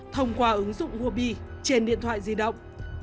thông qua ứng dụng woobi trên điện thoại di động